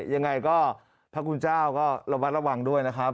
ยังไงก็พระคุณเจ้าก็ระมัดระวังด้วยนะครับ